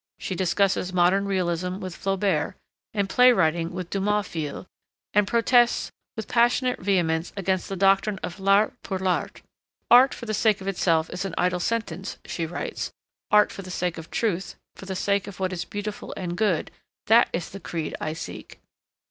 She discusses modern realism with Flaubert, and play writing with Dumas fils; and protests with passionate vehemence against the doctrine of L'art pour l'art. 'Art for the sake of itself is an idle sentence,' she writes; 'art for the sake of truth, for the sake of what is beautiful and good, that is the creed I seek.'